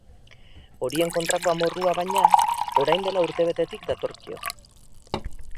Horien kontrako amorrua, baina, orain dela urtebetetik datorkio.